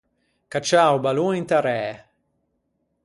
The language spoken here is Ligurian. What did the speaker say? Cacciâ o ballon inta ræ.